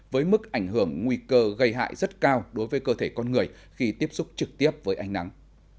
với mức ảnh hưởng nguy cơ gây hại rất cao đối với cơ thể con người khi tiếp xúc trực tiếp với ánh nắng